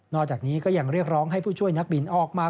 อกจากนี้ก็ยังเรียกร้องให้ผู้ช่วยนักบินออกมา